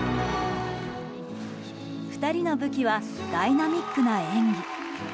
２人の武器はダイナミックな演技。